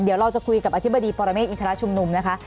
เดี๋ยวเราจะคุยกับอธิบดีปรเมฆอินทรชุมนุมนะคะ